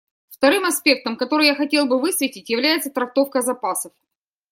Вторым аспектом, который я хотел бы высветить, является трактовка запасов.